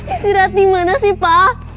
istirahat dimana sih pa